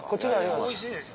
おいしいですよ。